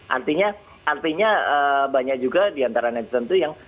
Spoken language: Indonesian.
artinya banyak juga di antara netizen itu yang